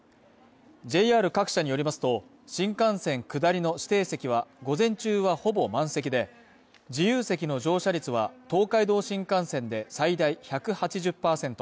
ＪＲ各社によりますと、新幹線下りの指定席は、午前中はほぼ満席で、自由席の乗車率は、東海道新幹線で最大１８０％